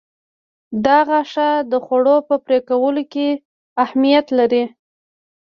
دا غاښه د خوړو په پرې کولو کې اهمیت لري.